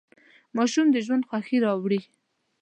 ماشومان د ژوند خوښي راوړي.